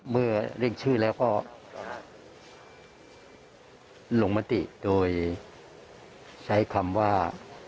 เมื่อเรียกชื่อแล้วก็ลงมติโดยใช้คำว่า